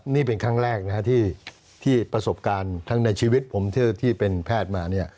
นี่เป็นครั้งแรกนะฮะที่ประสบการณ์ทั้งในชีวิตผมที่เป็นแพทย์มาเนี่ย